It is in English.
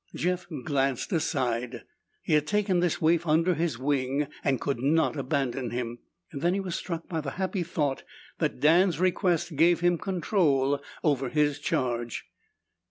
Jeff glanced aside. He had taken this waif under his wing and could not abandon him. Then he was struck by the happy thought that Dan's request gave him control over his charge.